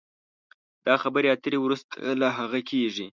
دا خبرې اترې وروسته له هغه کېږي